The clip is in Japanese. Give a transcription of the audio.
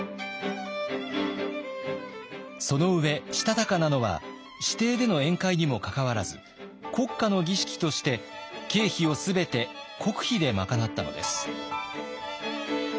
その上したたかなのは私邸での宴会にもかかわらず国家の儀式として経費を全て国費で賄ったのです。